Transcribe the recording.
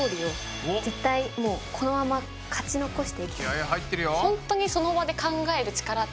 気合い入ってるよ。